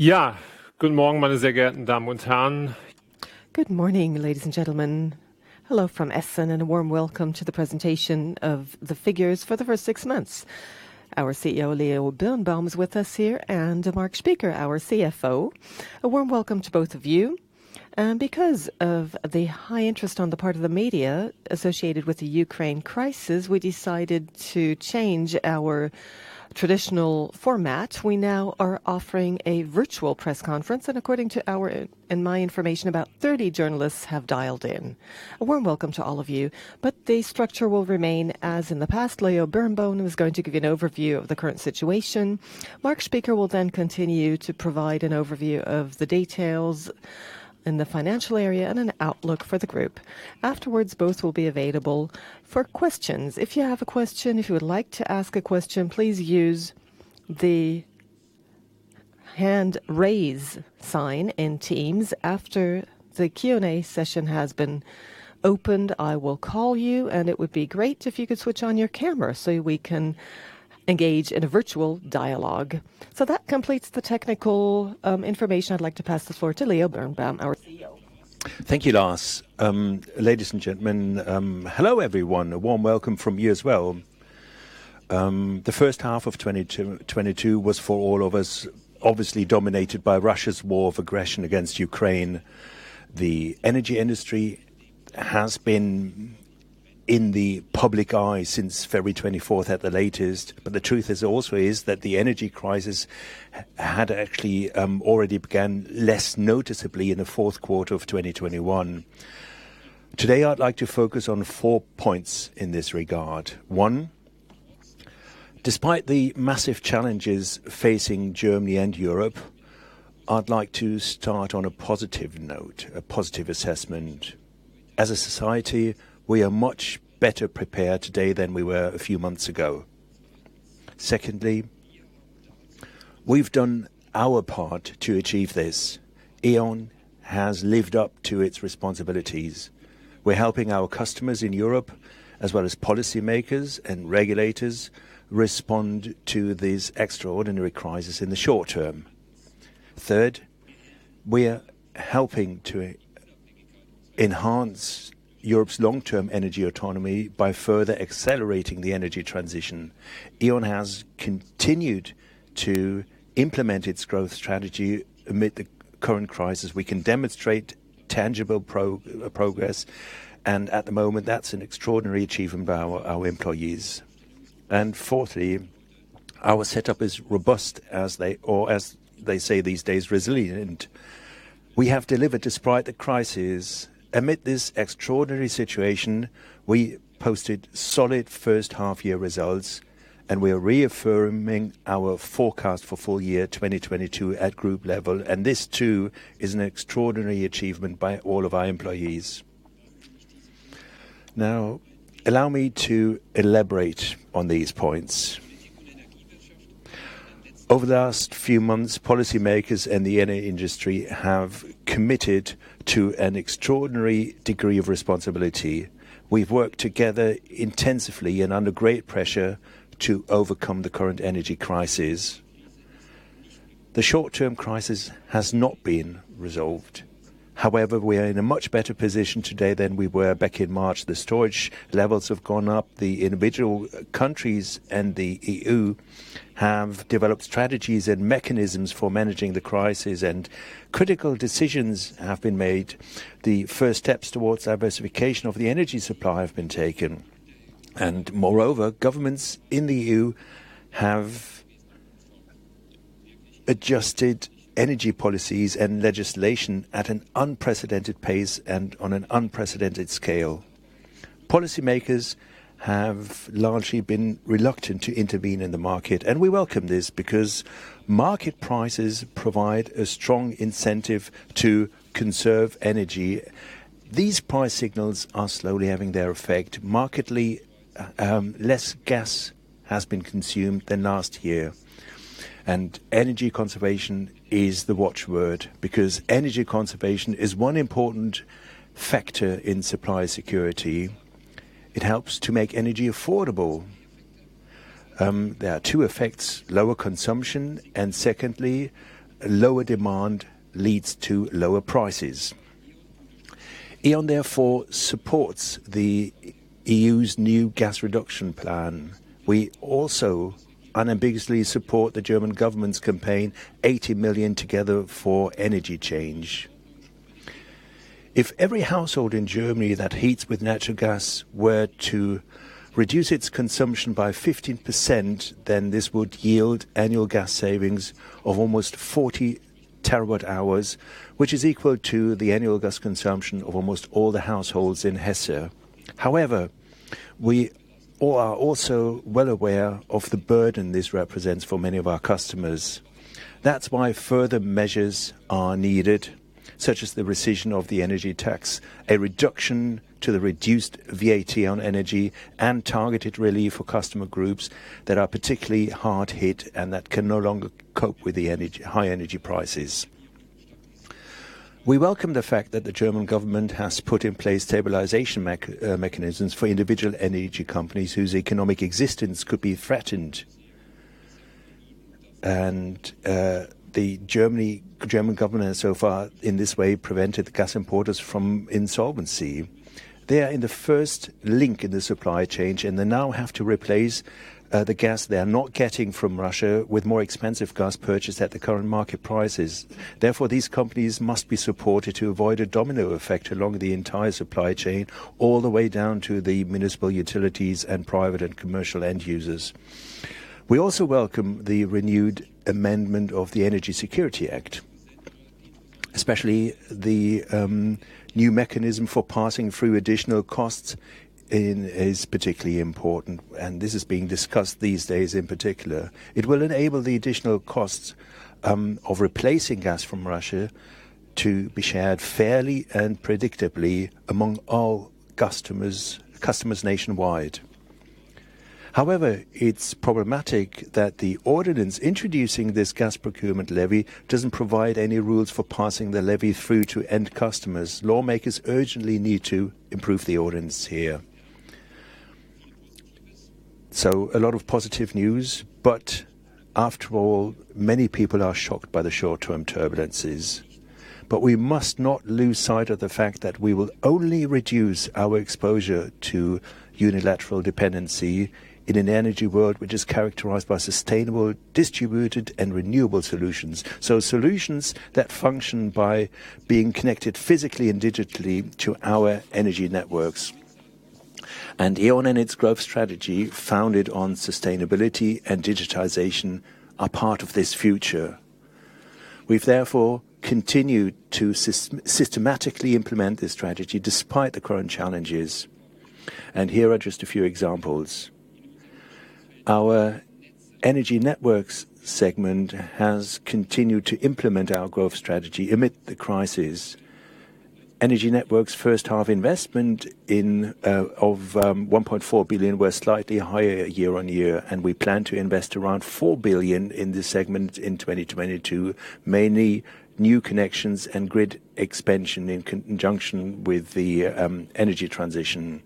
Ja. Guten Morgen, meine sehr geehrten Damen und Herren. Good morning, ladies and gentlemen. Hello from Essen and a warm welcome to the presentation of the figures for the first six months. Our CEO, Leonhard Birnbaum, is with us here, and Marc Spieker, our CFO. A warm welcome to both of you. Because of the high interest on the part of the media associated with the Ukraine crisis, we decided to change our traditional format. We now are offering a virtual press conference, and according to our and my information, about 30 journalists have dialed in. A warm welcome to all of you, but the structure will remain as in the past. Leonhard Birnbaum is going to give an overview of the current situation. Marc Spieker will then continue to provide an overview of the details in the financial area and an outlook for the group. Afterwards, both will be available for questions. If you have a question, if you would like to ask a question, please use the hand raise sign in Teams. After the Q&A session has been opened, I will call you, and it would be great if you could switch on your camera so we can engage in a virtual dialogue. That completes the technical information. I'd like to pass this forward to Leonhard Birnbaum, our CEO. Thank you, Lars. Ladies and gentlemen, hello everyone. A warm welcome from me as well. The H1 of 2022 was for all of us, obviously dominated by Russia's war of aggression against Ukraine. The energy industry has been in the public eye since February 24 at the latest, but the truth is that the energy crisis had actually already began less noticeably in the fourth quarter of 2021. Today, I'd like to focus on four points in this regard. One, despite the massive challenges facing Germany and Europe, I'd like to start on a positive note, a positive assessment. As a society, we are much better prepared today than we were a few months ago. Secondly, we've done our part to achieve this. E.ON has lived up to its responsibilities. We're helping our customers in Europe, as well as policymakers and regulators, respond to this extraordinary crisis in the short term. Third, we are helping to enhance Europe's long-term energy autonomy by further accelerating the energy transition. E.ON has continued to implement its growth strategy amid the current crisis. We can demonstrate tangible progress, and at the moment, that's an extraordinary achievement by our employees. Fourthly, our setup is robust, as they say these days, resilient. We have delivered despite the crisis. Amid this extraordinary situation, we posted solid H1 year results, and we are reaffirming our forecast for full year 2022 at group level. This too is an extraordinary achievement by all of our employees. Now, allow me to elaborate on these points. Over the last few months, policymakers and the energy industry have committed to an extraordinary degree of responsibility. We've worked together intensively and under great pressure to overcome the current energy crisis. The short-term crisis has not been resolved. However, we are in a much better position today than we were back in March. The storage levels have gone up. The individual countries and the EU have developed strategies and mechanisms for managing the crisis, and critical decisions have been made. The first steps towards diversification of the energy supply have been taken. Moreover, governments in the EU have adjusted energy policies and legislation at an unprecedented pace and on an unprecedented scale. Policymakers have largely been reluctant to intervene in the market, and we welcome this because market prices provide a strong incentive to conserve energy. These price signals are slowly having their effect. Market-wise, less gas has been consumed than last year. Energy conservation is the watchword because energy conservation is one important factor in supply security. It helps to make energy affordable. There are two effects, lower consumption, and secondly, lower demand leads to lower prices. E.ON therefore supports the EU's new gas reduction plan. We also unambiguously support the German government's campaign, Eighty Million Together for Energy Change. If every household in Germany that heats with natural gas were to reduce its consumption by 15%, then this would yield annual gas savings of almost 40 TWh, which is equal to the annual gas consumption of almost all the households in Hesse. However, we all are also well aware of the burden this represents for many of our customers. That's why further measures are needed, such as the rescission of the energy tax, a reduction to the reduced VAT on energy, and targeted relief for customer groups that are particularly hard hit and that can no longer cope with the high energy prices. We welcome the fact that the German government has put in place stabilization mechanisms for individual energy companies whose economic existence could be threatened. The German government has so far, in this way, prevented gas importers from insolvency. They are in the first link in the supply chain, and they now have to replace the gas they are not getting from Russia with more expensive gas purchased at the current market prices. Therefore, these companies must be supported to avoid a domino effect along the entire supply chain, all the way down to the municipal utilities and private and commercial end users. We also welcome the renewed amendment of the Energy Security Act, especially the new mechanism for passing through additional costs is particularly important, and this is being discussed these days in particular. It will enable the additional costs of replacing gas from Russia to be shared fairly and predictably among all customers nationwide. However, it's problematic that the ordinance introducing this gas procurement levy doesn't provide any rules for passing the levy through to end customers. Lawmakers urgently need to improve the ordinance here. A lot of positive news, but after all, many people are shocked by the short-term turbulences. We must not lose sight of the fact that we will only reduce our exposure to unilateral dependency in an energy world which is characterized by sustainable, distributed, and renewable solutions. Solutions that function by being connected physically and digitally to our Energy Networks. E.ON and its growth strategy, founded on sustainability and digitization, are part of this future. We've therefore continued to systematically implement this strategy despite the current challenges. Here are just a few examples. Our Energy Networks segment has continued to implement our growth strategy amid the crisis. Energy Networks' H1 investment of 1.4 billion were slightly higher year-on-year, and we plan to invest around 4 billion in this segment in 2022, mainly new connections and grid expansion in conjunction with the energy transition.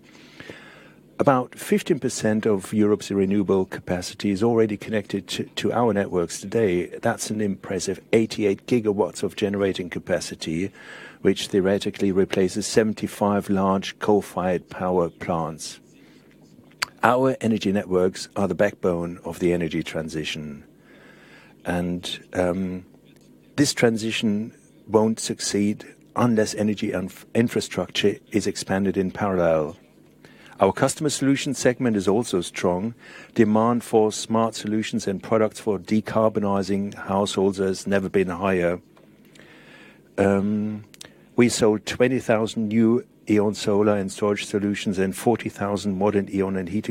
About 15% of Europe's renewable capacity is already connected to our networks today. That's an impressive 88 GW of generating capacity, which theoretically replaces 75 large coal-fired power plants. Our Energy Networks are the backbone of the energy transition, and this transition won't succeed unless energy infrastructure is expanded in parallel. Our Customer Solutions segment is also strong. Demand for smart solutions and products for decarbonizing households has never been higher. We sold 20,000 new E.ON solar and storage solutions and 40,000 modern E.ON heat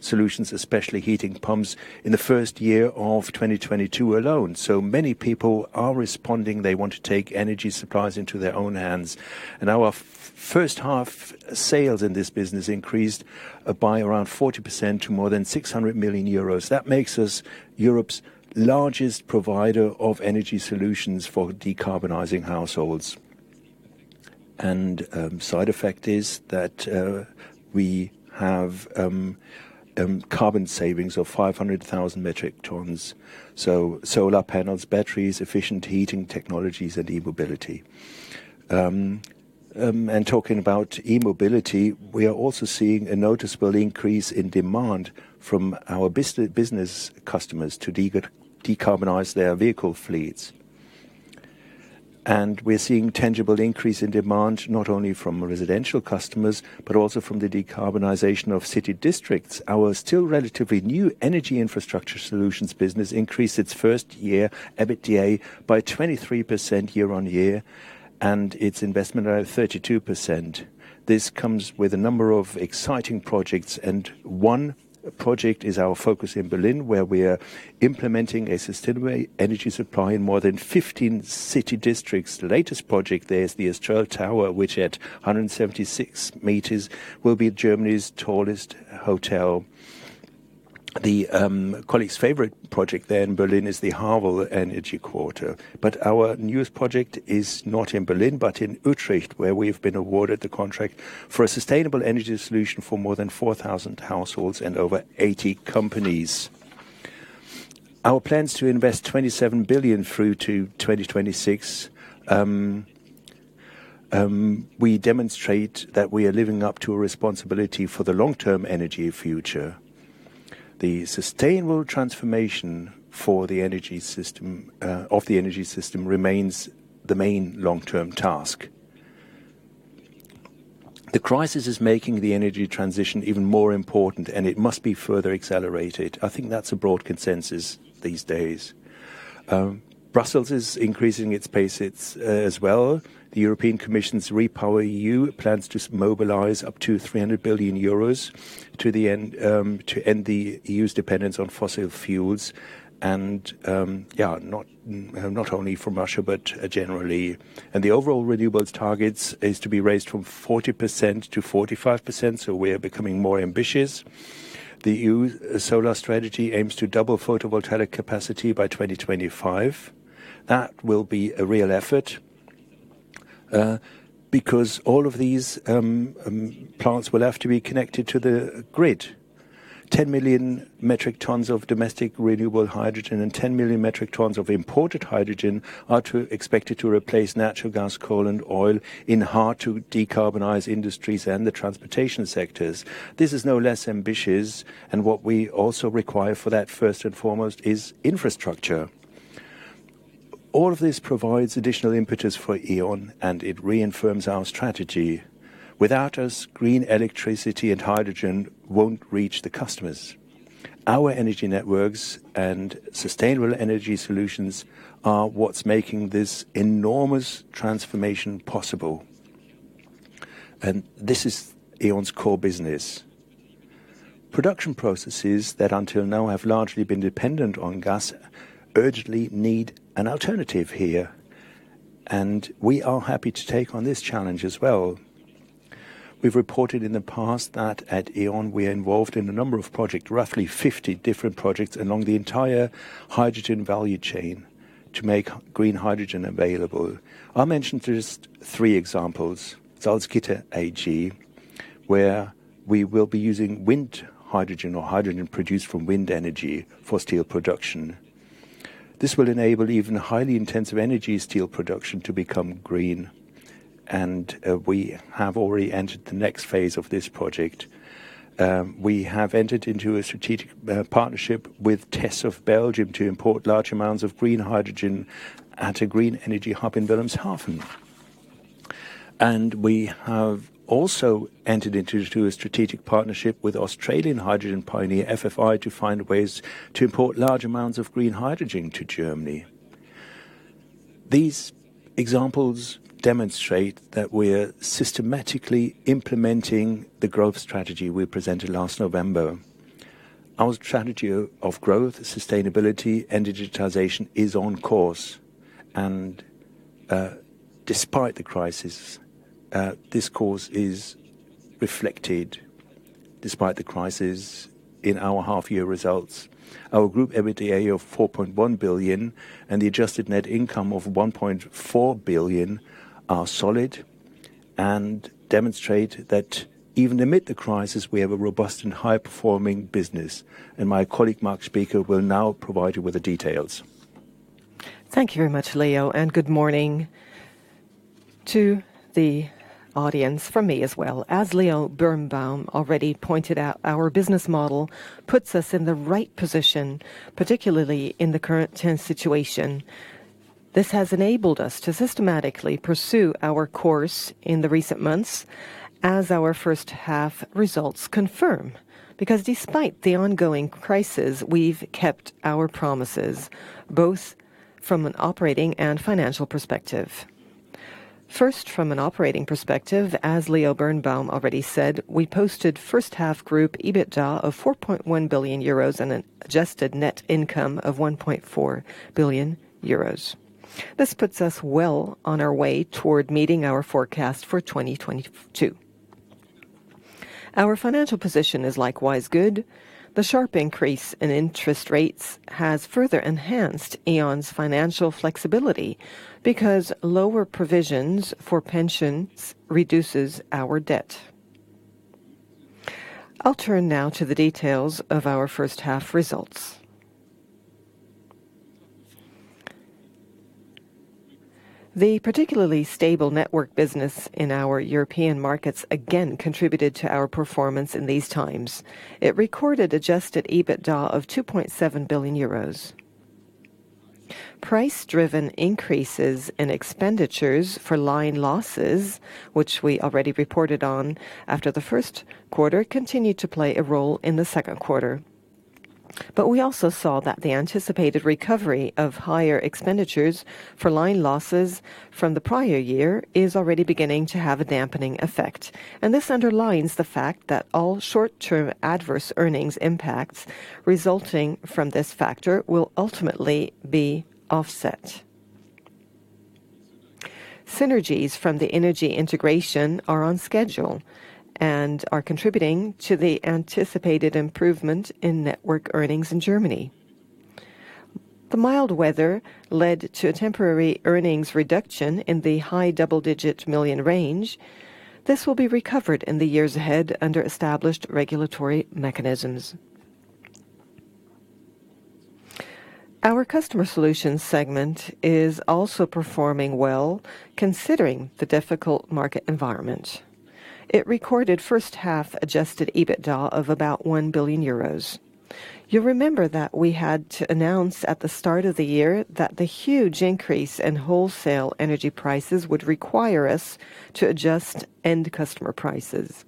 solutions, especially heat pumps, in the first year of 2022 alone. Many people are responding. They want to take energy supplies into their own hands. Our H1 sales in this business increased by around 40% to more than 600 million euros. That makes us Europe's largest provider of energy solutions for decarbonizing households. A side effect is that we have carbon savings of 500,000 metric tons, so solar panels, batteries, efficient heating technologies, and e-mobility. Talking about e-mobility, we are also seeing a noticeable increase in demand from our business customers to decarbonize their vehicle fleets. We're seeing tangible increase in demand not only from residential customers, but also from the decarbonization of city districts. Our still relatively new Energy Infrastructure Solutions business increased its first-year EBITDA by 23% year-on-year and its investment by 32%. This comes with a number of exciting projects, and one project is our focus in Berlin, where we are implementing a sustainable energy supply in more than 15 city districts. The latest project there is the Estrel Tower, which at 176 meters will be Germany's tallest hotel. The colleague's favorite project there in Berlin is the Havel Energy Quarter. Our newest project is not in Berlin, but in Utrecht, where we've been awarded the contract for a sustainable energy solution for more than 4,000 households and over 80 companies. Our plans to invest 27 billion through to 2026. We demonstrate that we are living up to a responsibility for the long-term energy future. The sustainable transformation for the energy system, of the energy system remains the main long-term task. The crisis is making the energy transition even more important, and it must be further accelerated. I think that's a broad consensus these days. Brussels is increasing its pace as well. The European Commission's REPowerEU plans to mobilize up to 300 billion euros to end the EU's dependence on fossil fuels and not only from Russia, but generally. The overall renewables targets is to be raised from 40% to 45%, so we are becoming more ambitious. The EU Solar Energy Strategy aims to double photovoltaic capacity by 2025. That will be a real effort. Because all of these plants will have to be connected to the grid. 10 million metric tons of domestic renewable hydrogen and 10 million metric tons of imported hydrogen are expected to replace natural gas, coal, and oil in hard-to-decarbonize industries and the transportation sectors. This is no less ambitious, and what we also require for that, first and foremost, is infrastructure. All of this provides additional impetus for E.ON, and it reaffirms our strategy. Without us, green electricity and hydrogen won't reach the customers. Our Energy Networks and Sustainable Energy Solutions are what's making this enormous transformation possible. This is E.ON's core business. Production processes that until now have largely been dependent on gas urgently need an alternative here, and we are happy to take on this challenge as well. We've reported in the past that at E.ON we're involved in a number of projects, roughly 50 different projects, along the entire hydrogen value chain to make green hydrogen available. I'll mention just three examples. Salzgitter AG, where we will be using wind hydrogen or hydrogen produced from wind energy for steel production. This will enable even highly intensive energy steel production to become green, and we have already entered the next phase of this project. We have entered into a strategic partnership with TES of Belgium to import large amounts of green hydrogen at a green energy hub in Wilhelmshaven. We have also entered into a strategic partnership with Australian hydrogen pioneer FFI to find ways to import large amounts of green hydrogen to Germany. These examples demonstrate that we're systematically implementing the growth strategy we presented last November. Our strategy of growth, sustainability, and digitization is on course, and despite the crisis, this course is reflected in our half-year results. Our group EBITDA of 4.1 billion and the adjusted net income of 1.4 billion are solid and demonstrate that even amid the crisis, we have a robust and high-performing business. My colleague, Marc Spieker, will now provide you with the details. Thank you very much, Leo, and good morning to the audience from me as well. As Leo Birnbaum already pointed out, our business model puts us in the right position, particularly in the current tense situation. This has enabled us to systematically pursue our course in the recent months as our H1 results confirm. Because despite the ongoing crisis, we've kept our promises, both from an operating and financial perspective. First, from an operating perspective, as Leo Birnbaum already said, we posted H1 group EBITDA of 4.1 billion euros and an adjusted net income of 1.4 billion euros. This puts us well on our way toward meeting our forecast for 2022. Our financial position is likewise good. The sharp increase in interest rates has further enhanced E.ON's financial flexibility because lower provisions for pensions reduces our debt. I'll turn now to the details of our H1 results. The particularly stable network business in our European markets again contributed to our performance in these times. It recorded adjusted EBITDA of 2.7 billion euros. Price-driven increases in expenditures for line losses, which we already reported on after the first quarter, continued to play a role in the second quarter. We also saw that the anticipated recovery of higher expenditures for line losses from the prior year is already beginning to have a dampening effect. This underlines the fact that all short-term adverse earnings impacts resulting from this factor will ultimately be offset. Synergies from the Energy Integration are on schedule and are contributing to the anticipated improvement in network earnings in Germany. The mild weather led to a temporary earnings reduction in the high double-digit million EUR range. This will be recovered in the years ahead under established regulatory mechanisms. Our Customer Solutions segment is also performing well, considering the difficult market environment. It recorded H1-adjusted EBITDA of about 1 billion euros. You'll remember that we had to announce at the start of the year that the huge increase in wholesale energy prices would require us to adjust end customer prices.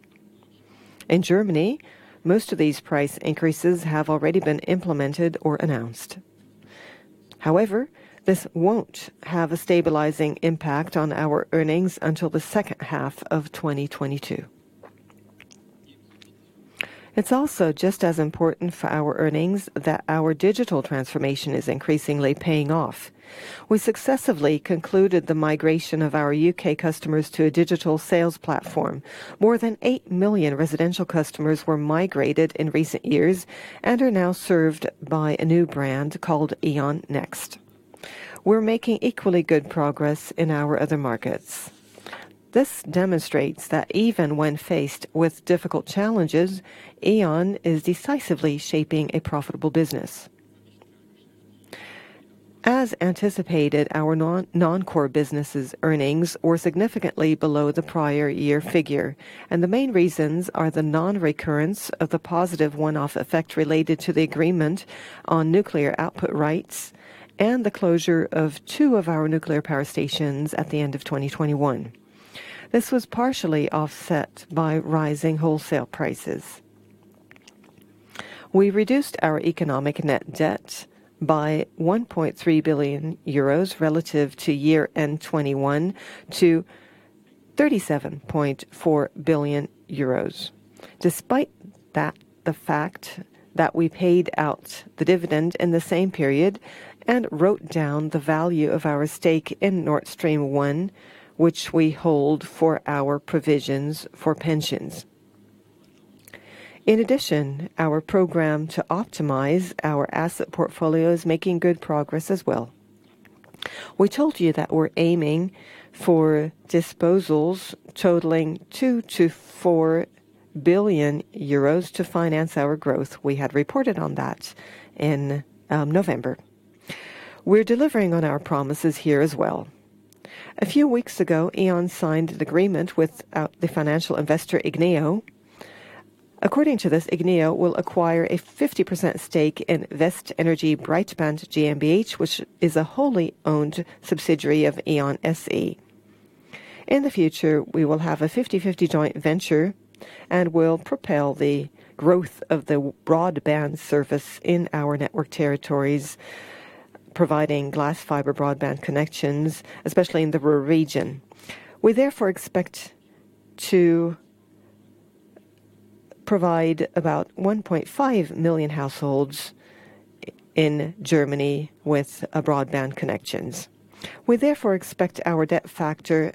In Germany, most of these price increases have already been implemented or announced. However, this won't have a stabilizing impact on our earnings until the second half of 2022. It's also just as important for our earnings that our digital transformation is increasingly paying off. We successfully concluded the migration of our U.K. customers to a digital sales platform. More than 8 million residential customers were migrated in recent years and are now served by a new brand called E.ON Next. We're making equally good progress in our other markets. This demonstrates that even when faced with difficult challenges, E.ON is decisively shaping a profitable business. As anticipated, our non-core businesses earnings were significantly below the prior year figure, and the main reasons are the non-recurrence of the positive one-off effect related to the agreement on nuclear output rights and the closure of two of our nuclear power stations at the end of 2021. This was partially offset by rising wholesale prices. We reduced our economic net debt by 1.3 billion euros relative to year-end 2021 to 37.4 billion euros. Despite that, the fact that we paid out the dividend in the same period and wrote down the value of our stake in Nord Stream 1, which we hold for our provisions for pensions. In addition, our program to optimize our asset portfolio is making good progress as well. We told you that we're aiming for disposals totaling 2 billion-4 billion euros to finance our growth. We had reported on that in November. We're delivering on our promises here as well. A few weeks ago, E.ON signed an agreement with the financial investor Igneo. According to this, Igneo will acquire a 50% stake in Westenergie Breitband GmbH, which is a wholly owned subsidiary of E.ON SE. In the future, we will have a 50/50 joint venture and will propel the growth of the broadband service in our network territories, providing glass fiber broadband connections, especially in the rural region. We therefore expect to provide about 1.5 million households in Germany with broadband connections. We therefore expect our debt factor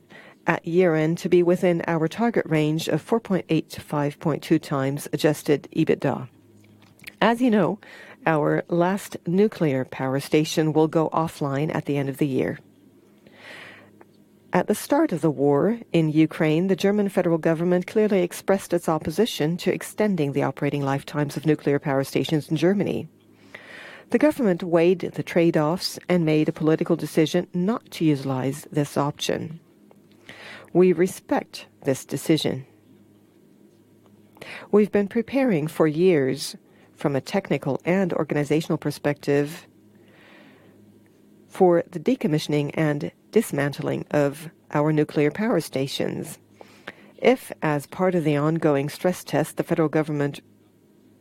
at year-end to be within our target range of 4.8-5.2x adjusted EBITDA. As you know, our last nuclear power station will go offline at the end of the year. At the start of the war in Ukraine, the German federal government clearly expressed its opposition to extending the operating lifetimes of nuclear power stations in Germany. The government weighed the trade-offs and made a political decision not to utilize this option. We respect this decision. We've been preparing for years from a technical and organizational perspective for the decommissioning and dismantling of our nuclear power stations. If, as part of the ongoing stress test, the federal government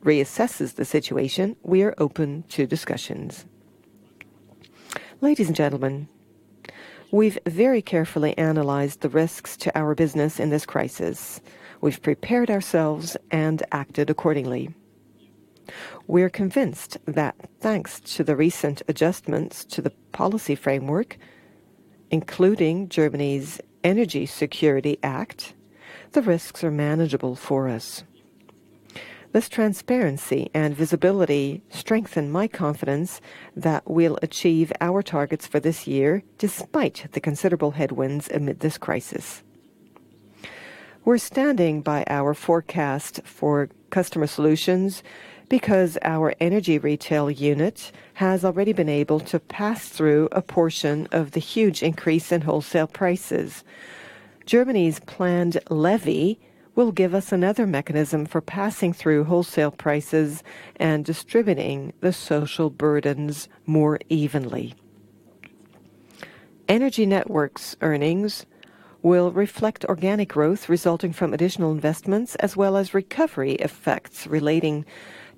reassesses the situation, we are open to discussions. Ladies and gentlemen, we've very carefully analyzed the risks to our business in this crisis. We've prepared ourselves and acted accordingly. We're convinced that thanks to the recent adjustments to the policy framework, including Germany's Energy Security Act, the risks are manageable for us. This transparency and visibility strengthen my confidence that we'll achieve our targets for this year despite the considerable headwinds amid this crisis. We're standing by our forecast for Customer Solutions because our energy retail unit has already been able to pass through a portion of the huge increase in wholesale prices. Germany's planned levy will give us another mechanism for passing through wholesale prices and distributing the social burdens more evenly. Energy Networks earnings will reflect organic growth resulting from additional investments, as well as recovery effects relating to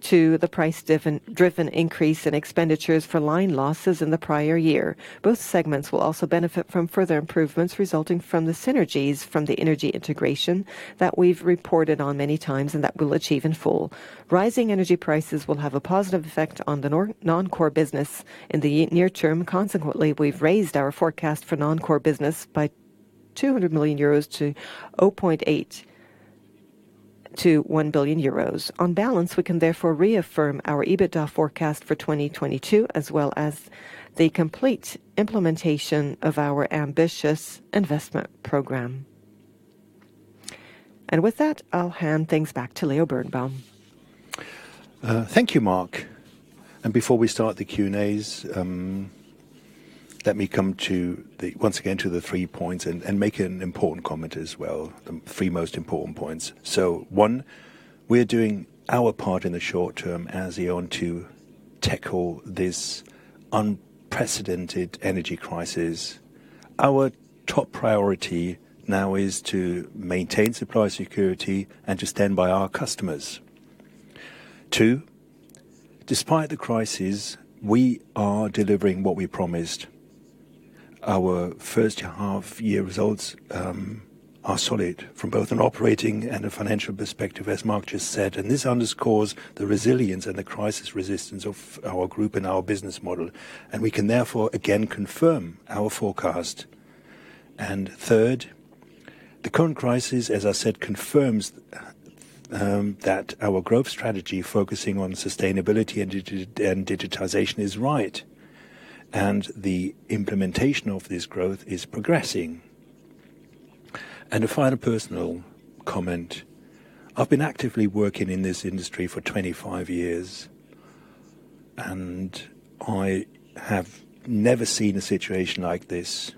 the price-driven increase in expenditures for line losses in the prior year. Both segments will also benefit from further improvements resulting from the synergies from the Energy Integration that we've reported on many times and that we'll achieve in full. Rising energy prices will have a positive effect on the non-core business in the near term. Consequently, we've raised our forecast for non-core business by 200 million euros to 0.8-1 billion euros. On balance, we can therefore reaffirm our EBITDA forecast for 2022, as well as the complete implementation of our ambitious investment program. With that, I'll hand things back to Leonhard Birnbaum. Thank you, Marc. Before we start the Q&As, let me come once again to the three points and make an important comment as well, the three most important points. One, we're doing our part in the short term as E.ON to tackle this unprecedented energy crisis. Our top priority now is to maintain supply security and to stand by our customers. Two, despite the crisis, we are delivering what we promised. Our H1 year results are solid from both an operating and a financial perspective, as Marc just said. This underscores the resilience and the crisis resistance of our group and our business model, and we can therefore again confirm our forecast. The current crisis, as I said, confirms that our growth strategy focusing on sustainability and digitization is right, and the implementation of this growth is progressing. A final personal comment. I've been actively working in this industry for 25 years, and I have never seen a situation like this,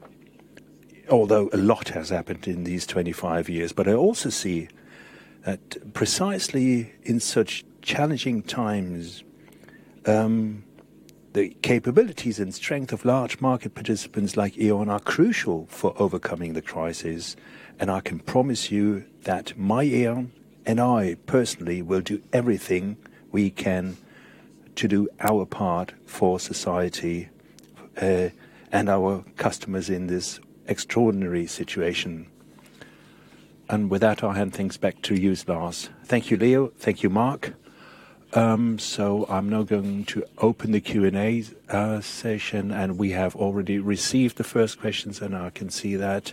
although a lot has happened in these 25 years. I also see that precisely in such challenging times, the capabilities and strength of large market participants like E.ON are crucial for overcoming the crisis, and I can promise you that my E.ON and I personally will do everything we can to do our part for society, and our customers in this extraordinary situation. With that, I'll hand things back to you, Lars. Thank you, Leon. Thank you, Marc. I'm now going to open the Q&A session, and we have already received the first questions, and I can see that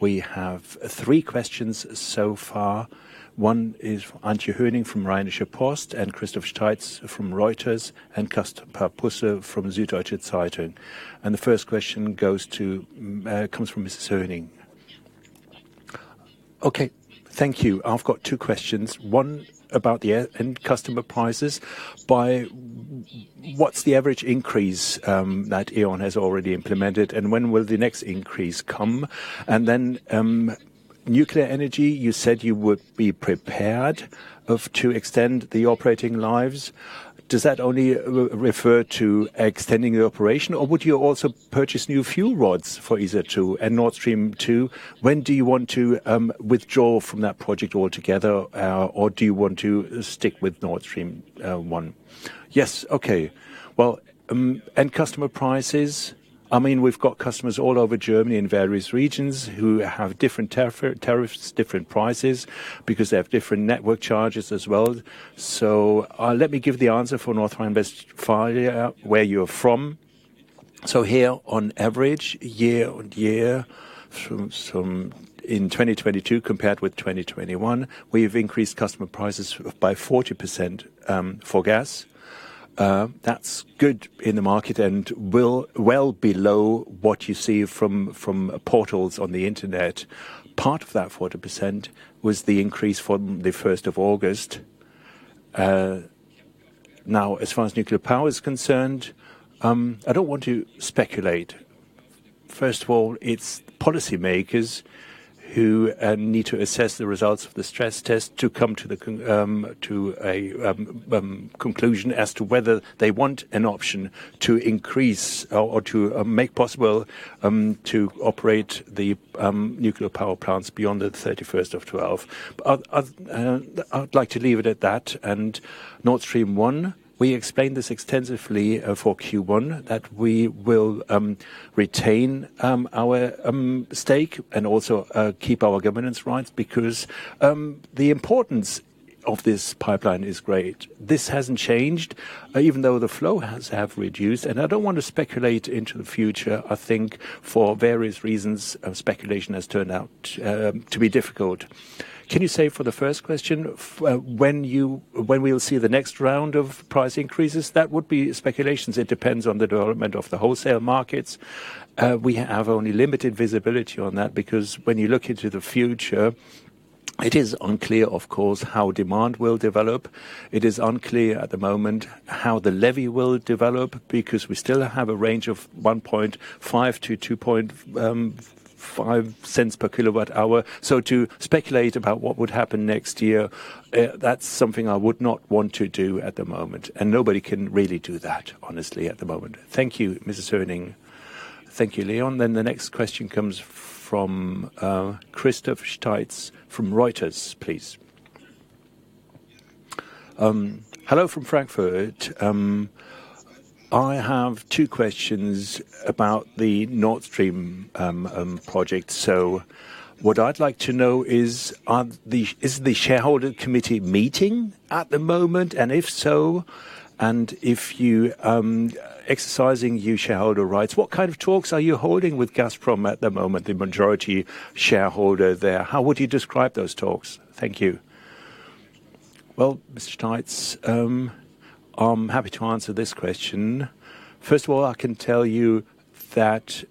we have three questions so far. One is Antje Höning from Rheinische Post, and Christoph Steitz from Reuters, and Caspar Busse from Süddeutsche Zeitung. The first question comes from Mrs. Höning. I've got two questions, one about the end-customer prices. But what's the average increase that E.ON has already implemented, and when will the next increase come? And then, nuclear energy, you said you would be prepared to extend the operating lives. Does that only refer to extending the operation, or would you also purchase new fuel rods for Isar 2 and Nord Stream 2? When do you want to withdraw from that project altogether, or do you want to stick with Nord Stream 1? Yes, okay. Well, end customer prices, I mean, we've got customers all over Germany in various regions who have different tariffs, different prices because they have different network charges as well. Let me give the answer for North Rhine-Westphalia, where you're from. Here, on average, year-on-year, from 2022 compared with 2021, we've increased customer prices by 40%, for gas. That's good in the market and well below what you see from portals on the internet. Part of that 40% was the increase from the first of August. Now, as far as nuclear power is concerned, I don't want to speculate. First of all, it's policymakers who need to assess the results of the stress test to come to a conclusion as to whether they want an option to increase or to make possible to operate the nuclear power plants beyond the 31st of 12. I would like to leave it at that. Nord Stream 1, we explained this extensively for Q1, that we will retain our stake and also keep our governance rights because the importance of this pipeline is great. This hasn't changed, even though the flow has reduced, and I don't want to speculate into the future. I think for various reasons, speculation has turned out to be difficult. Can you say for the first question, when we'll see the next round of price increases? That would be speculations. It depends on the development of the wholesale markets. We have only limited visibility on that because when you look into the future, it is unclear, of course, how demand will develop. It is unclear at the moment how the levy will develop because we still have a range of 0.015-0.025 per kWh. So to speculate about what would happen next year, that's something I would not want to do at the moment, and nobody can really do that, honestly, at the moment. Thank you, Mrs. Höning. Thank you, Leo. The next question comes from Christoph Steitz from Reuters, please. Hello from Frankfurt. I have two questions about the Nord Stream project. What I'd like to know is the shareholder committee meeting at the moment? And if so, if you exercising your shareholder rights, what kind of talks are you holding with Gazprom at the moment, the majority shareholder there? How would you describe those talks? Thank you. Well, Mr. Steitz, I'm happy to answer this question. First of all, I can tell you that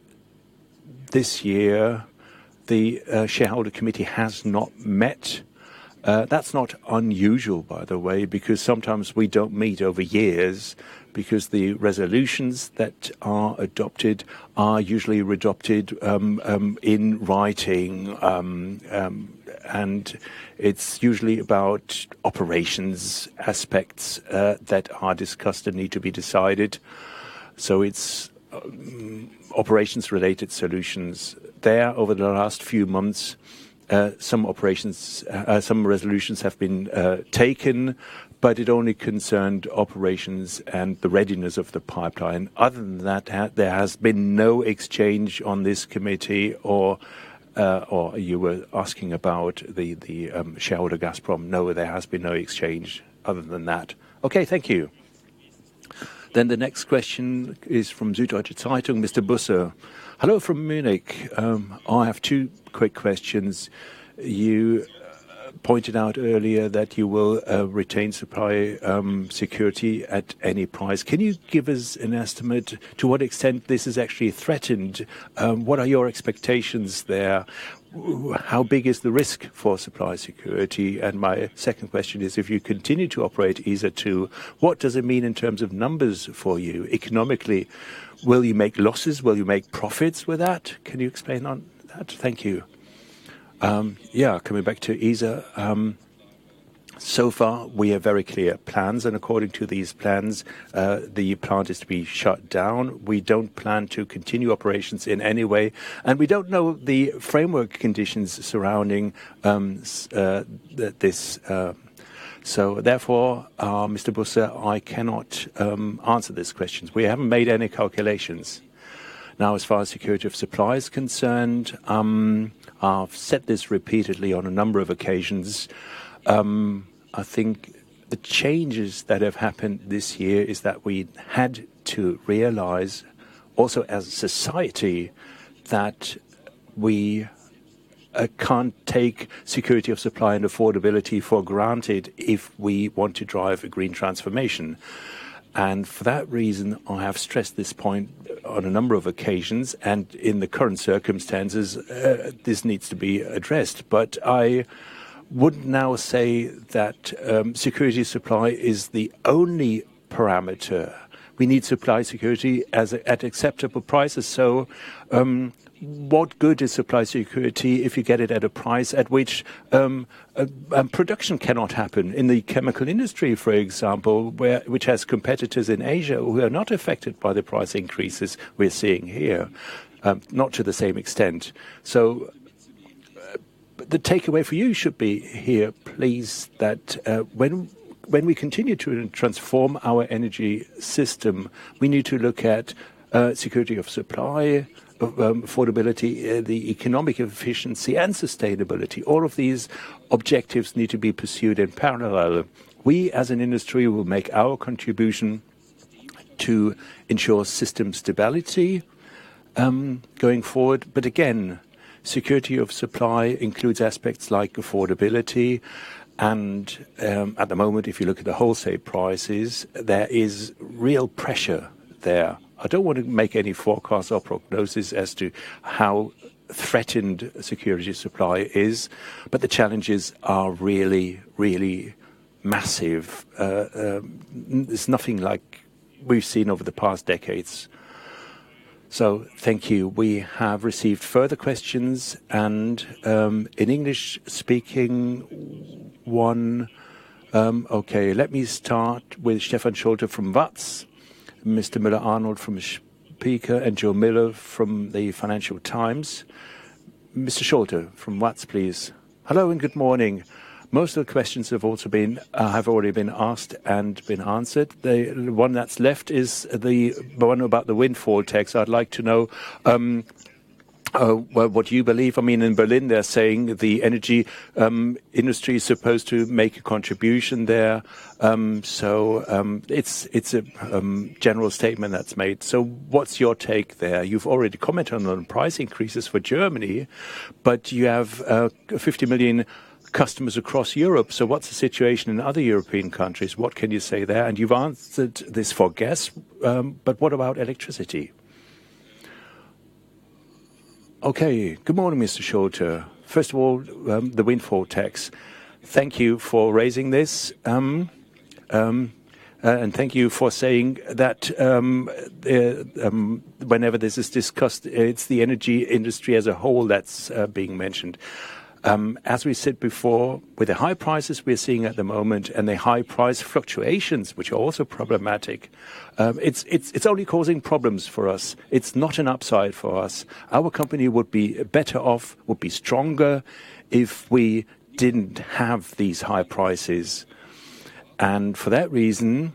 this year the shareholder committee has not met. That's not unusual by the way because sometimes we don't meet over years because the resolutions that are adopted are usually adopted in writing. It's usually about operations aspects that are discussed and need to be decided. It's operations-related solutions. There over the last few months, some operations, some resolutions have been taken, but it only concerned operations and the readiness of the pipeline. Other than that, there has been no exchange on this committee or you were asking about the shareholder Gazprom. No, there has been no exchange other than that. Okay. Thank you. The next question is from Süddeutsche Zeitung, Caspar Busse. Hello from Munich. I have two quick questions. You pointed out earlier that you will retain supply security at any price. Can you give us an estimate to what extent this is actually threatened? What are your expectations there? How big is the risk for supply security? And my second question is, if you continue to operate Isar 2, what does it mean in terms of numbers for you economically? Will you make losses? Will you make profits with that? Can you explain on that? Thank you. Coming back to Isar, so far we have very clear plans, and according to these plans, the plant is to be shut down. We don't plan to continue operations in any way, and we don't know the framework conditions surrounding this. Therefore, Mr. Busse, I cannot answer these questions. We haven't made any calculations. Now, as far as security of supply is concerned, I've said this repeatedly on a number of occasions. I think the changes that have happened this year is that we had to realize also as a society that we can't take security of supply and affordability for granted if we want to drive a green transformation. For that reason, I have stressed this point on a number of occasions, and in the current circumstances, this needs to be addressed. I wouldn't now say that security of supply is the only parameter. We need supply security at acceptable prices. What good is supply security if you get it at a price at which production cannot happen? In the chemical industry, for example, where, which has competitors in Asia who are not affected by the price increases we're seeing here, not to the same extent. The takeaway for you should be here, please, that when we continue to transform our energy system, we need to look at security of supply, affordability, the economic efficiency and sustainability. All of these objectives need to be pursued in parallel. We, as an industry, will make our contribution to ensure system stability, going forward. Again, security of supply includes aspects like affordability and, at the moment, if you look at the wholesale prices, there is real pressure there. I don't want to make any forecasts or prognosis as to how threatened security of supply is, but the challenges are really, really massive. It's nothing like we've seen over the past decades. Thank you. We have received further questions and an English-speaking one. Okay, let me start with Stefan Schulte from WAZ, Mr. Müller-Arnold from Spiegel, and Joe Miller from the Financial Times. Mr. Schulte from WAZ, please. Hello, and good morning. Most of the questions have already been asked and answered. The one that's left is the one about the windfall tax. I'd like to know what you believe. I mean, in Berlin, they're saying the energy industry is supposed to make a contribution there. It's a general statement that's made. What's your take there? You've already commented on the price increases for Germany, but you have 50 million customers across Europe. What's the situation in other European countries? What can you say there? You've answered this for gas, but what about electricity? Okay. Good morning, Mr. Schulte. First of all, the windfall tax. Thank you for raising this. Thank you for saying that, whenever this is discussed, it's the energy industry as a whole that's being mentioned. As we said before, with the high prices we're seeing at the moment and the high price fluctuations, which are also problematic, it's only causing problems for us. It's not an upside for us. Our company would be better off, would be stronger if we didn't have these high prices. For that reason,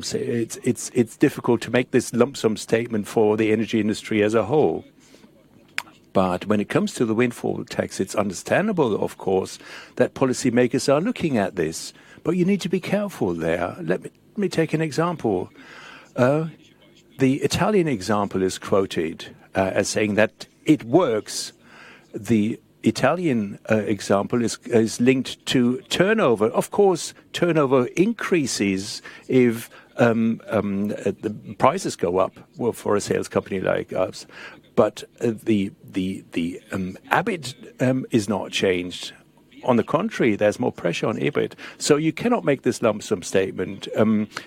say it's difficult to make this lump sum statement for the energy industry as a whole. When it comes to the windfall tax, it's understandable, of course, that policymakers are looking at this. You need to be careful there. Let me take an example. The Italian example is quoted as saying that it works. The Italian example is linked to turnover. Of course, turnover increases if the prices go up for a sales company like us. The EBIT is not changed. On the contrary, there's more pressure on EBIT. You cannot make this lump-sum statement.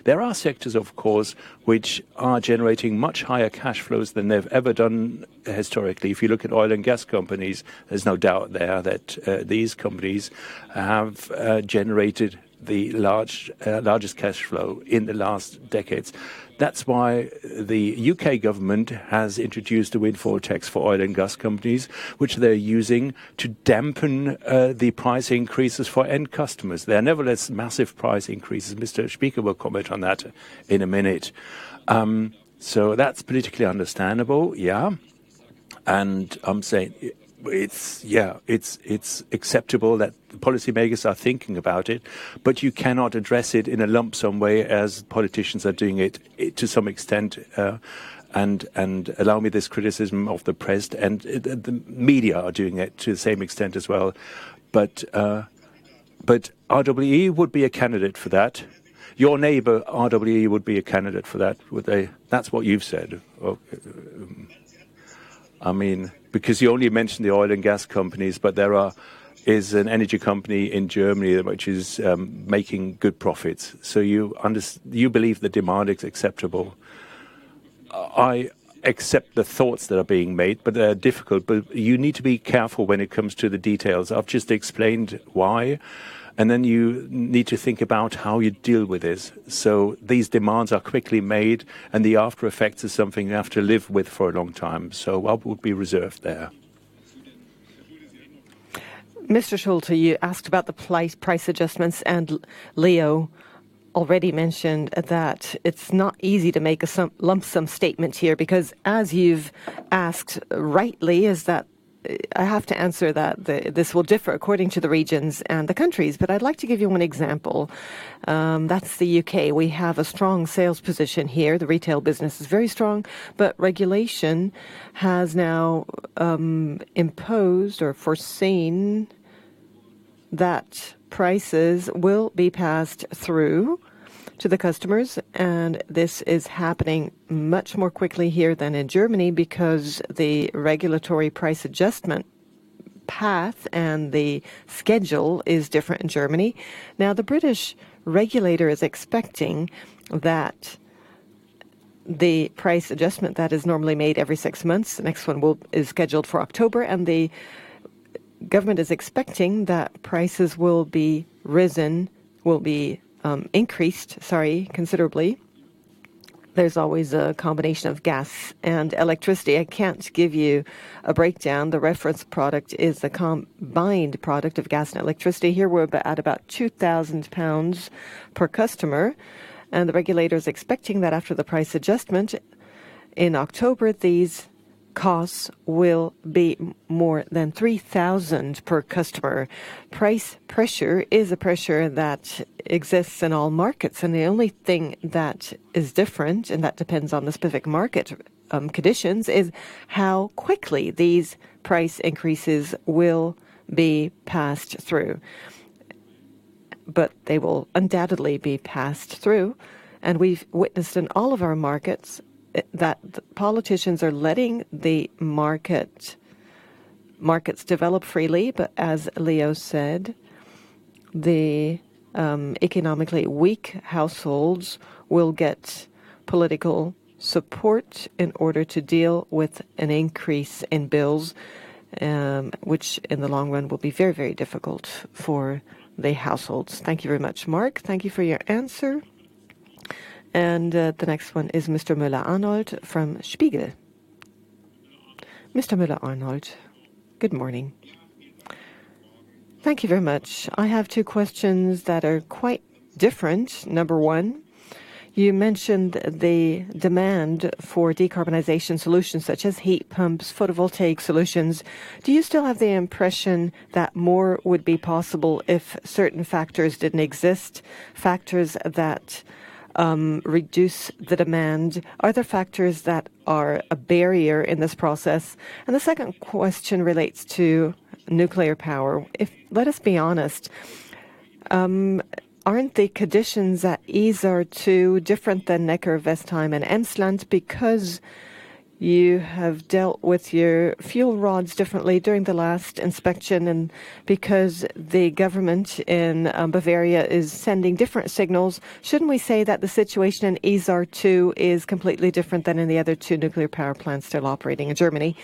There are sectors, of course, which are generating much higher cash flows than they've ever done historically. If you look at oil and gas companies, there's no doubt there that these companies have generated the largest cash flow in the last decades. That's why the U.K. government has introduced a windfall tax for oil and gas companies, which they're using to dampen the price increases for end customers. There are nevertheless massive price increases. Mr. Spieker will comment on that in a minute. That's politically understandable, yeah. I'm saying it's acceptable that the policymakers are thinking about it, but you cannot address it in a lump sum way as politicians are doing it, to some extent, and allow me this criticism of the press and the media, which are doing it to the same extent as well. RWE would be a candidate for that. Your neighbor, RWE, would be a candidate for that, would they? That's what you've said. I mean, because you only mentioned the oil and gas companies, but there is an energy company in Germany which is making good profits. You believe the demand is acceptable. I accept the thoughts that are being made, but they are difficult. You need to be careful when it comes to the details. I've just explained why, and then you need to think about how you deal with this. These demands are quickly made, and the after effects is something you have to live with for a long time. I would be reserved there. Mr. Schulte, you asked about the price adjustments, and Leo already mentioned that it's not easy to make a lump sum statement here, because as you've asked rightly, that is, I have to answer that this will differ according to the regions and the countries. I'd like to give you one example, that's the U.K. We have a strong sales position here. The retail business is very strong, but the regulator has now imposed or foreseen that prices will be passed through to the customers, and this is happening much more quickly here than in Germany because the regulatory price adjustment path and the schedule is different in Germany. Now, the British regulator is expecting that the price adjustment that is normally made every six months, the next one is scheduled for October, and the government is expecting that prices will be increased considerably. There's always a combination of gas and electricity. I can't give you a breakdown. The reference product is a combined product of gas and electricity. Here we're at about 2,000 pounds per customer, and the regulator is expecting that after the price adjustment in October, these costs will be more than 3,000 per customer. Price pressure is a pressure that exists in all markets, and the only thing that is different, and that depends on the specific market, conditions, is how quickly these price increases will be passed through. But they will undoubtedly be passed through. We've witnessed in all of our markets that politicians are letting the market, markets develop freely. But as Leo said, the economically weak households will get political support in order to deal with an increase in bills, which in the long run will be very, very difficult for the households. Thank you very much, Marc. Thank you for your answer. The next one is Mr. Müller-Arnold from Spiegel. Mr. Müller-Arnold, good morning. Thank you very much. I have two questions that are quite different. Number one, you mentioned the demand for decarbonization solutions such as heat pumps, photovoltaic solutions. Do you still have the impression that more would be possible if certain factors didn't exist, factors that reduce the demand? Are there factors that are a barrier in this process? And the second question relates to nuclear power. If, let us be honest, aren't the conditions at Isar 2 different than Neckarwestheim and Emsland because you have dealt with your fuel rods differently during the last inspection and because the government in Bavaria is sending different signals? Shouldn't we say that the situation in Isar 2 is completely different than in the other two nuclear power plants still operating in Germany?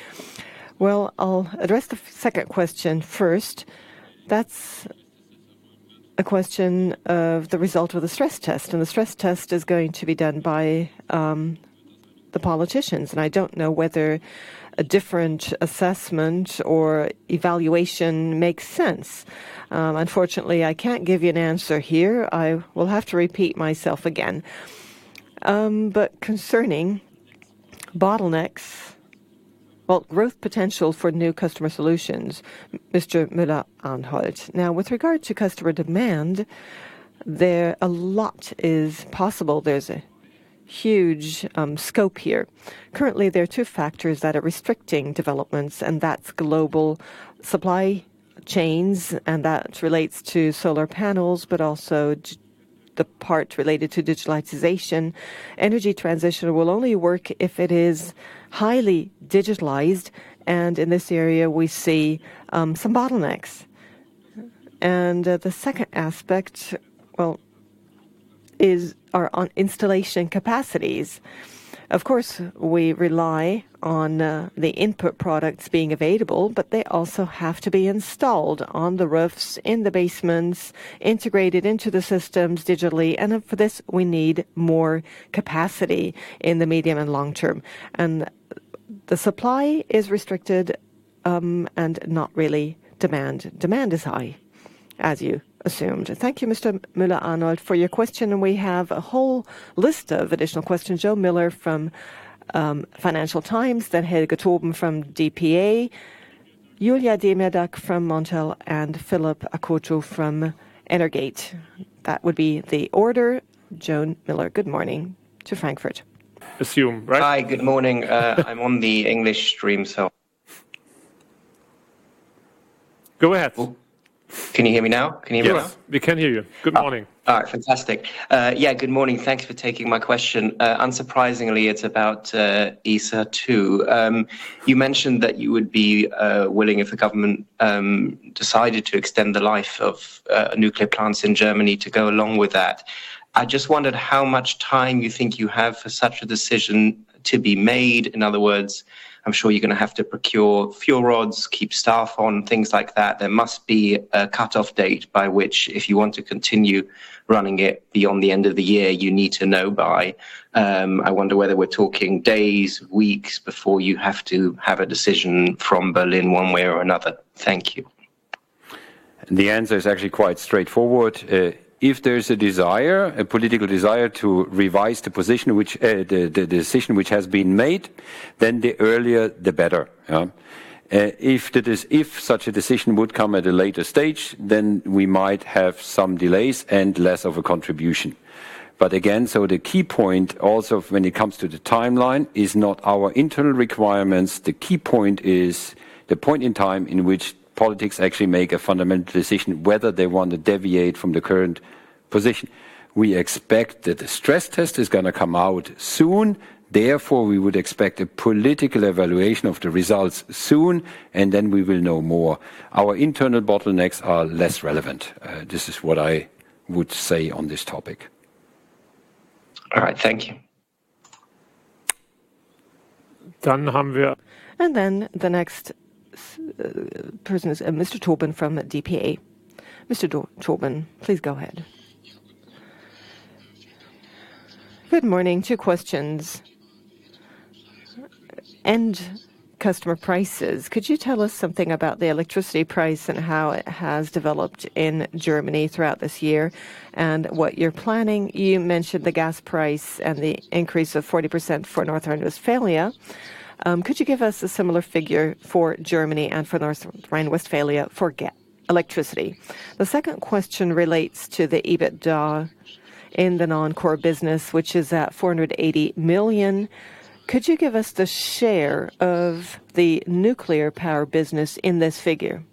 Well, I'll address the second question first. That's a question of the result of the stress test, and the stress test is going to be done by the politicians, and I don't know whether a different assessment or evaluation makes sense. Unfortunately, I can't give you an answer here. I will have to repeat myself again. But concerning bottlenecks, well, growth potential for new Customer Solutions, Mr. Müller-Arnold. Now, with regard to customer demand, there a lot is possible. There's a huge scope here. Currently, there are two factors that are restricting developments, and that's global supply chains, and that relates to solar panels, but also the part related to digitalization. Energy transition will only work if it is highly digitalized, and in this area we see some bottlenecks. The second aspect, well, is our own installation capacities. Of course, we rely on the input products being available, but they also have to be installed on the roofs, in the basements, integrated into the systems digitally. Then for this, we need more capacity in the medium and long term. The supply is restricted, and not really demand. Demand is high. As you assumed. Thank you, Mr. Müller-Arnold, for your question. We have a whole list of additional questions. Joe Miller from Financial Times, then Helge Toben from DPA, Julia Demirdag from Montel, and Philip Akoto from Energate. That would be the order. Joe Miller, good morning to Frankfurt. Assume, right? Hi, good morning. I'm on the English stream, so. Go ahead. Can you hear me now? Can you hear me now? Yes. We can hear you. Good morning. All right. Fantastic. Yeah, good morning. Thank you for taking my question. Unsurprisingly, it's about Isar 2. You mentioned that you would be willing if the government decided to extend the life of nuclear plants in Germany to go along with that. I just wondered how much time you think you have for such a decision to be made. In other words, I'm sure you're gonna have to procure fuel rods, keep staff on, things like that. There must be a cutoff date by which if you want to continue running it beyond the end of the year, you need to know by. I wonder whether we're talking days, weeks before you have to have a decision from Berlin one way or another. Thank you. The answer is actually quite straightforward. If there's a desire, a political desire to revise the position which the decision which has been made, then the earlier, the better. If such a decision would come at a later stage, then we might have some delays and less of a contribution. The key point also when it comes to the timeline is not our internal requirements, the key point is the point in time in which politics actually make a fundamental decision whether they want to deviate from the current position. We expect that the stress test is gonna come out soon. Therefore, we would expect a political evaluation of the results soon, and then we will know more. Our internal bottlenecks are less relevant. This is what I would say on this topic. All right. Thank you. Dann haben wir- The next person is Mr. Torben from DPA. Mr. Torben, please go ahead. Good morning. Two questions. End customer prices. Could you tell us something about the electricity price and how it has developed in Germany throughout this year and what you're planning? You mentioned the gas price and the increase of 40% for North Rhine-Westphalia. Could you give us a similar figure for Germany and for North Rhine-Westphalia for electricity? The second question relates to the EBITDA in the non-core business, which is at 480 million. Could you give us the share of the nuclear power business in this figure?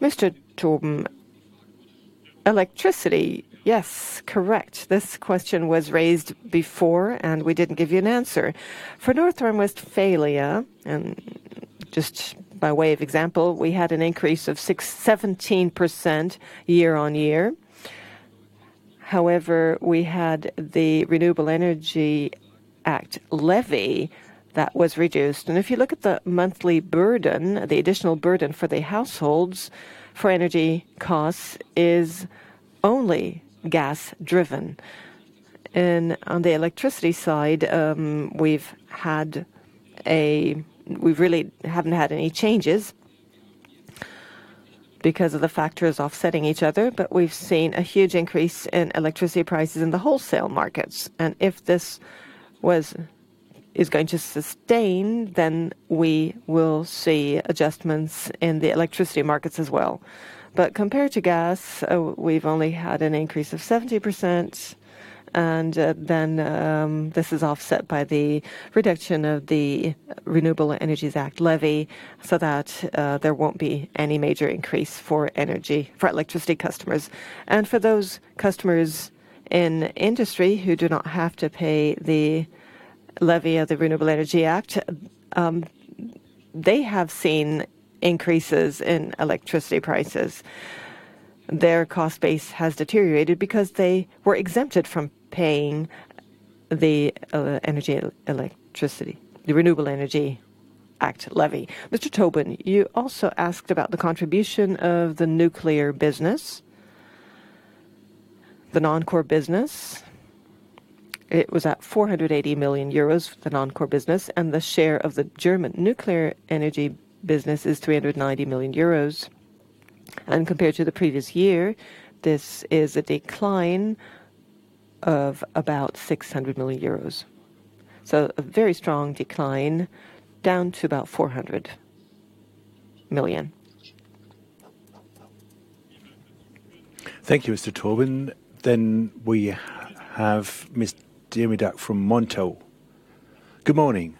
Mr. Torben, electricity. Yes, correct. This question was raised before, and we didn't give you an answer. For North Rhine-Westphalia, and just by way of example, we had an increase of 17% year-on-year. However, we had the Renewable Energy Act levy that was reduced. If you look at the monthly burden, the additional burden for the households for energy costs is only gas-driven. On the electricity side, we've really haven't had any changes because of the factors offsetting each other, but we've seen a huge increase in electricity prices in the wholesale markets. If this is going to sustain, then we will see adjustments in the electricity markets as well. Compared to gas, we've only had an increase of 70%, and this is offset by the reduction of the Renewable Energies Act levy, so that there won't be any major increase for energy, for electricity customers. For those customers in industry who do not have to pay the levy of the Renewable Energy Act, they have seen increases in electricity prices. Their cost base has deteriorated because they were exempted from paying the Renewable Energy Act levy. Mr. Helge Toben, you also asked about the contribution of the nuclear business. The non-core business, it was at 480 million euros for the non-core business, and the share of the German nuclear energy business is 390 million euros. Compared to the previous year, this is a decline of about 600 million euros. A very strong decline down to about 400 million. Thank you, Mr. Torben. We have Ms. Demerdag from Montel. Good morning.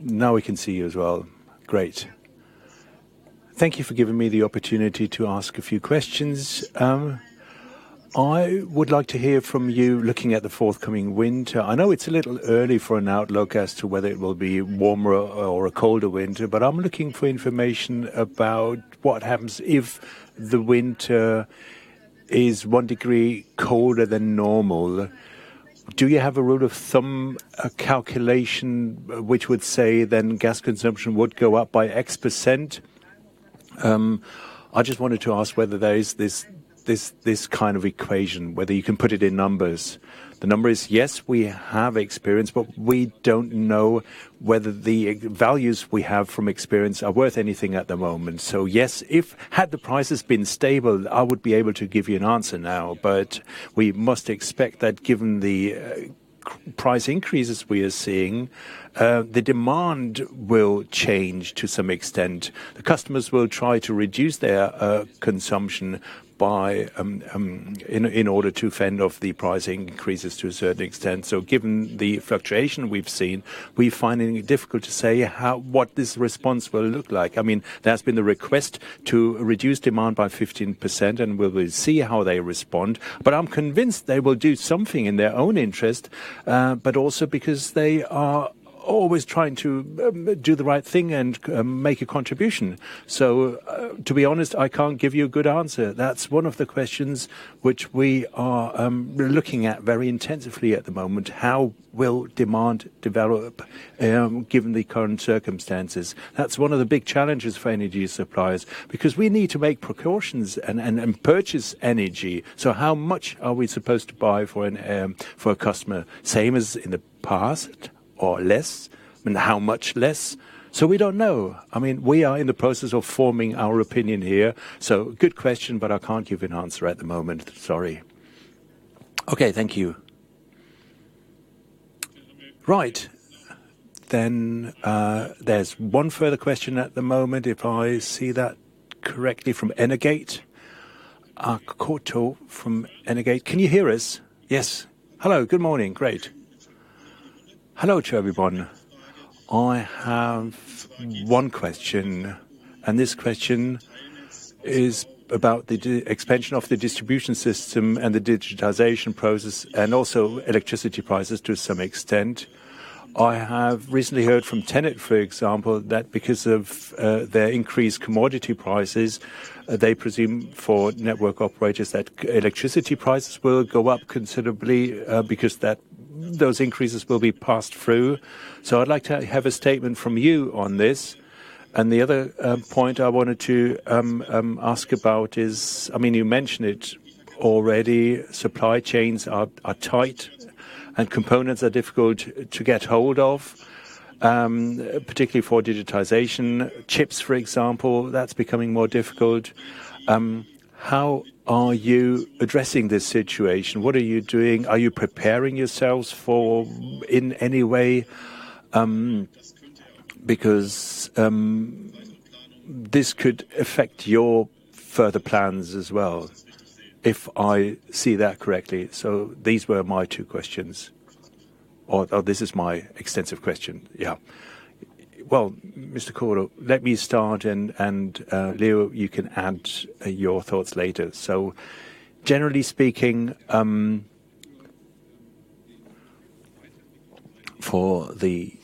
Now we can see you as well. Great. Thank you for giving me the opportunity to ask a few questions. I would like to hear from you looking at the forthcoming winter. I know it's a little early for an outlook as to whether it will be warmer or a colder winter, but I'm looking for information about what happens if the winter is one degree colder than normal. Do you have a rule of thumb, a calculation which would say then gas consumption would go up by X%? I just wanted to ask whether there is this kind of equation, whether you can put it in numbers. The answer is yes, we have experience, but we don't know whether the values we have from experience are worth anything at the moment. Yes, if had the prices been stable, I would be able to give you an answer now. We must expect that given the price increases we are seeing, the demand will change to some extent. The customers will try to reduce their consumption by, in order to fend off the price increases to a certain extent. Given the fluctuation we've seen, we're finding it difficult to say what this response will look like. I mean, there's been the request to reduce demand by 15%, and we will see how they respond. I'm convinced they will do something in their own interest, but also because they are always trying to do the right thing and make a contribution. To be honest, I can't give you a good answer. That's one of the questions which we are looking at very intensively at the moment. How will demand develop given the current circumstances? That's one of the big challenges for energy suppliers, because we need to make precautions and purchase energy. How much are we supposed to buy for a customer? Same as in the past or less? And how much less? We don't know. I mean, we are in the process of forming our opinion here. Good question, but I can't give an answer at the moment. Sorry. Okay, thank you. Right. There's one further question at the moment, if I see that correctly from Energate. Koto from Energate, can you hear us? Yes. Hello, good morning. Great. Hello to everyone. I have one question, and this question is about the expansion of the distribution system and the digitization process and also electricity prices to some extent. I have recently heard from TenneT, for example, that because of their increased commodity prices, they presume for network operators that electricity prices will go up considerably, because those increases will be passed through. I'd like to have a statement from you on this. The other point I wanted to ask about is, I mean, you mentioned it already, supply chains are tight and components are difficult to get hold of, particularly for digitization. Chips, for example, that's becoming more difficult. How are you addressing this situation? What are you doing? Are you preparing yourselves for in any way, because this could affect your further plans as well, if I see that correctly. These were my two questions. Or this is my extensive question. Yeah. Well, Mr. Koto, let me start, Leo, you can add your thoughts later. Generally speaking, for the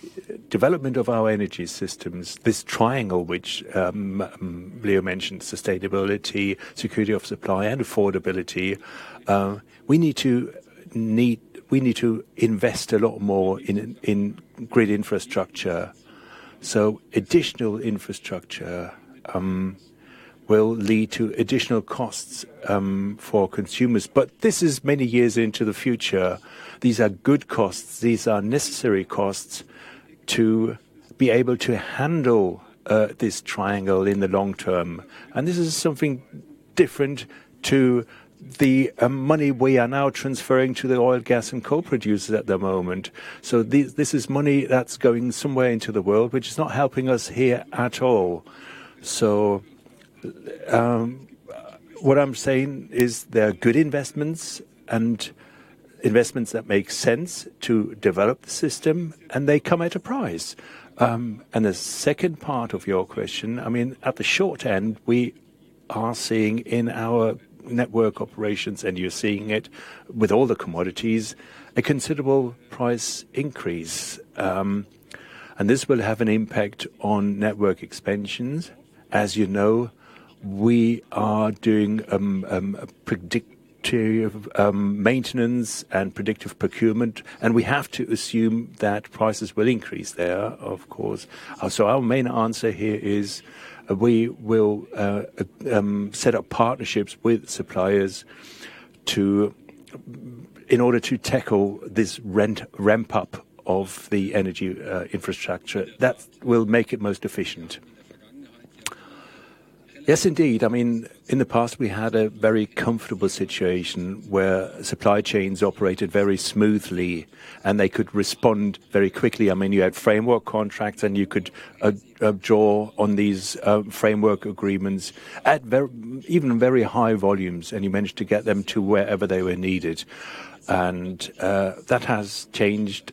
development of our energy systems, this triangle which Leo mentioned, sustainability, security of supply and affordability, we need to invest a lot more in grid infrastructure. Additional infrastructure will lead to additional costs for consumers. This is many years into the future. These are good costs. These are necessary costs to be able to handle this triangle in the long term. This is something different to the money we are now transferring to the oil, gas, and coal producers at the moment. This is money that's going somewhere into the world, which is not helping us here at all. What I'm saying is there are good investments and investments that make sense to develop the system, and they come at a price. The second part of your question, I mean, at the short end, we are seeing in our network operations, and you're seeing it with all the commodities, a considerable price increase. This will have an impact on network expansions. As you know, we are doing predictive maintenance and predictive procurement, and we have to assume that prices will increase there, of course. Our main answer here is we will set up partnerships with suppliers to, in order to tackle this rapid ramp-up of the energy infrastructure. That will make it most efficient. Yes, indeed. I mean, in the past, we had a very comfortable situation where supply chains operated very smoothly, and they could respond very quickly. I mean, you had framework contracts, and you could draw on these framework agreements at even very high volumes, and you managed to get them to wherever they were needed. That has changed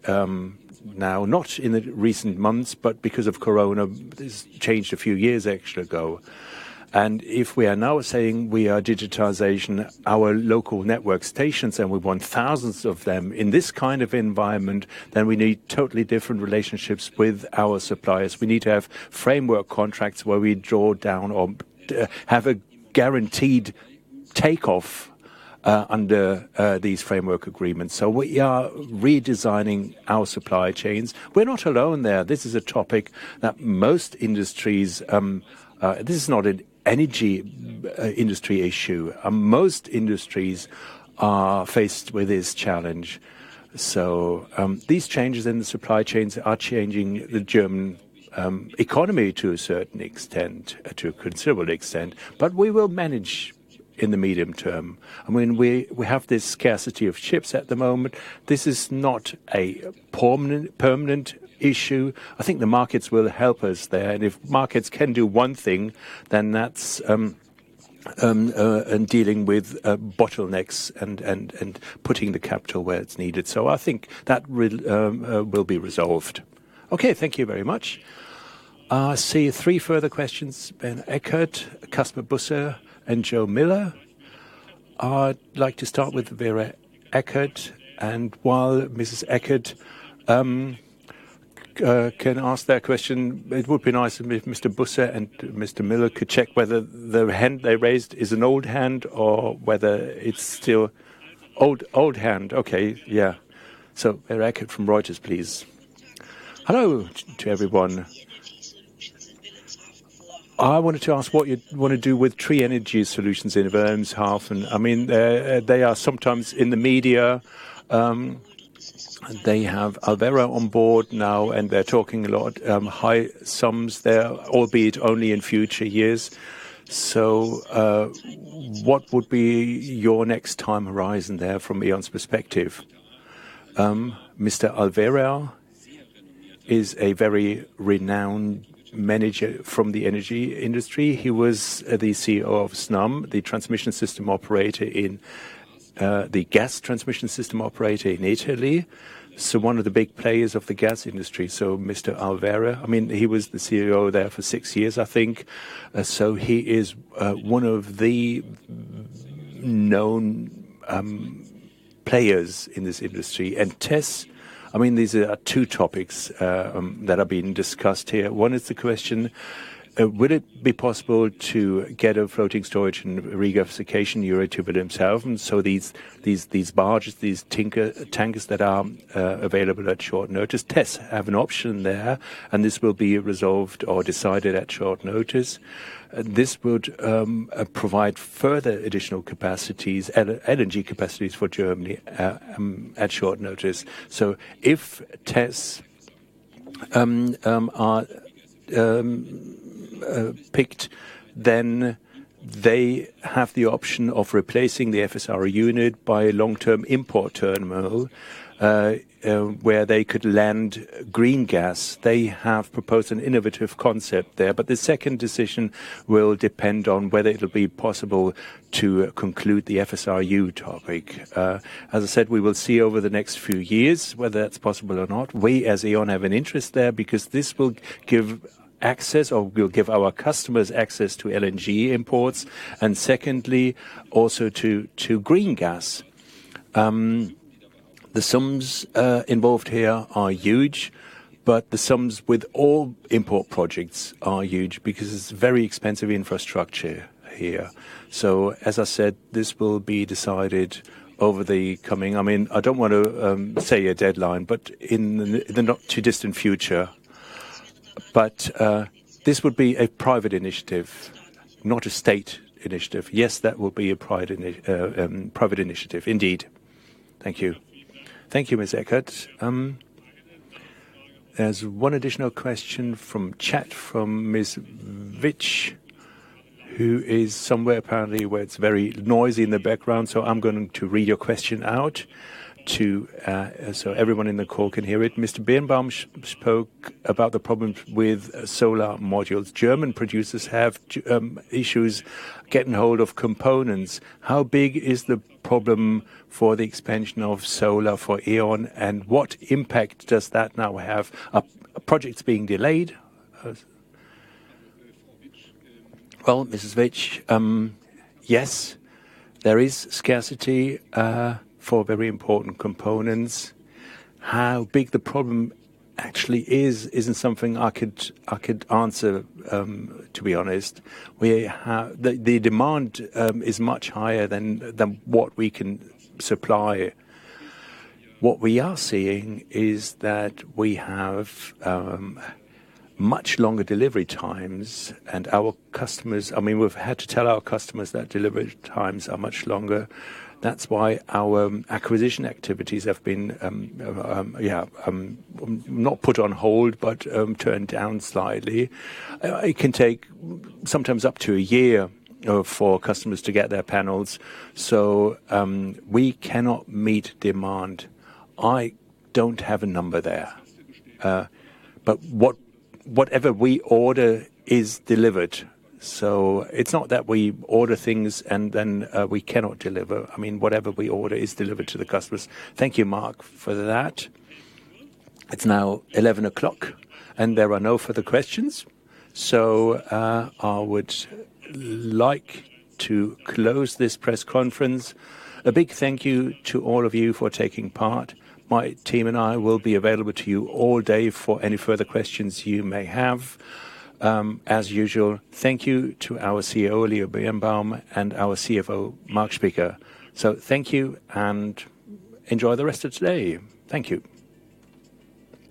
now, not in the recent months, but because of Corona, this changed a few years actually ago. If we are now saying we are digitizing our local network stations and we want thousands of them in this kind of environment, then we need totally different relationships with our suppliers. We need to have framework contracts where we draw down or have a guaranteed offtake under these framework agreements. We are redesigning our supply chains. We're not alone there. This is a topic that most industries. This is not an energy industry issue. Most industries are faced with this challenge. These changes in the supply chains are changing the German economy to a certain extent, to a considerable extent, but we will manage in the medium term. I mean, we have this scarcity of ships at the moment. This is not a permanent issue. I think the markets will help us there, and if markets can do one thing, then that's in dealing with bottlenecks and putting the capital where it's needed. I think that will be resolved. Okay, thank you very much. I see three further questions. Vera Eckert, Caspar Busse, and Joe Miller. I'd like to start with Vera Eckert. While Mrs. Eckert can ask that question. It would be nice if Mr. Busse and Mr. Miller could check whether the hand they raised is an old hand or whether it's still old hand. Okay. Yeah. Vera Eckert from Reuters, please. Hello to everyone. I wanted to ask what you wanna do with Tree Energy Solutions in Wilhelmshaven. I mean, they are sometimes in the media. They have Alvera on board now, and they're talking a lot, high sums there, albeit only in future years. What would be your next time horizon there from E.ON's perspective? Mr. Alvera is a very renowned manager from the energy industry. He was the CEO of Snam, the transmission system operator in the gas transmission system operator in Italy, so one of the big players of the gas industry. Mr. Alvera, I mean, he was the CEO there for six years, I think. He is one of the known players in this industry. TES, I mean, these are two topics that are being discussed here. One is the question, would it be possible to get a floating storage and regasification unit to Wilhelmshaven? These barges, these tankers that are available at short notice. TES have an option there, and this will be resolved or decided at short notice. This would provide further additional capacities, energy capacities for Germany at short notice. If TES are picked, then they have the option of replacing the FSRU unit by long-term import terminal, where they could land green gas. They have proposed an innovative concept there, but the second decision will depend on whether it'll be possible to conclude the FSRU topic. As I said, we will see over the next few years whether it's possible or not. We, as E.ON, have an interest there because this will give access or will give our customers access to LNG imports and secondly, also to green gas. The sums involved here are huge, but the sums with all import projects are huge because it's very expensive infrastructure here. As I said, this will be decided over the coming. I mean, I don't want to say a deadline, but in the not too distant future. This would be a private initiative, not a state initiative. Yes, that will be a private initiative indeed. Thank you. Thank you, Ms. Eckert. There's one additional question from chat from Ms. Vitch, who is somewhere apparently where it's very noisy in the background, so I'm going to read your question out, so everyone in the call can hear it. Mr. Birnbaum spoke about the problems with solar modules. German producers have issues getting hold of components. How big is the problem for the expansion of solar for E.ON, and what impact does that now have? Are projects being delayed? Well, Mrs. Vitch, yes, there is scarcity for very important components. How big the problem actually is, isn't something I could answer, to be honest. We have. The demand is much higher than what we can supply. What we are seeing is that we have much longer delivery times and our customers. I mean, we've had to tell our customers that delivery times are much longer. That's why our acquisition activities have been, yeah, not put on hold, but turned down slightly. It can take sometimes up to a year, you know, for customers to get their panels, so we cannot meet demand. I don't have a number there. But whatever we order is delivered, so it's not that we order things and then we cannot deliver. I mean, whatever we order is delivered to the customers. Thank you, Marc, for that. It's now 11 o'clock, and there are no further questions, so I would like to close this press conference. A big thank you to all of you for taking part. My team and I will be available to you all day for any further questions you may have. As usual, thank you to our CEO, Leo Birnbaum, and our CFO, Marc Spieker. Thank you and enjoy the rest of today. Thank you.